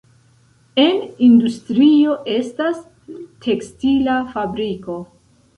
En industrio estas tekstila fabriko.